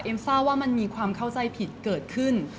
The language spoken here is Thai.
ทราบว่ามันมีความเข้าใจผิดเกิดขึ้น